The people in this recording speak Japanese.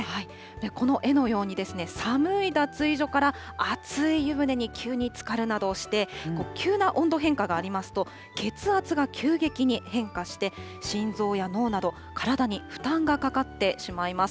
この絵のように、寒い脱衣所から熱い湯船に急につかるなどして、急な温度変化がありますと、血圧が急激に変化して、心臓や脳など、体に負担がかかってしまいます。